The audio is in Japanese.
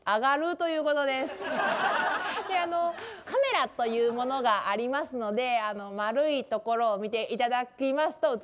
カメラというものがありますので丸いところを見て頂きますと映ります。